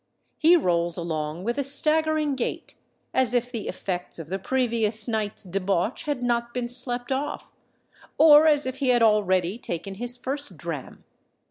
He rolls along with a staggering gait, as if the effects of the previous night's debauch had not been slept off, or as if he had already taken his first dram.